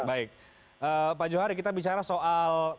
baik pak johari kita bicara soal